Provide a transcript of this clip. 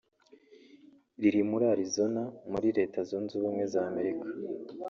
Riri muri Arizona muri Leta Zunze Ubumwe z’Amerika